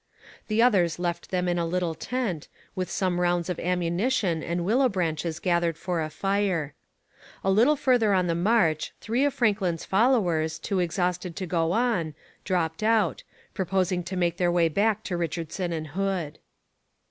The others left them in a little tent, with some rounds of ammunition and willow branches gathered for the fire. A little further on the march, three of Franklin's followers, too exhausted to go on, dropped out, proposing to make their way back to Richardson and Hood.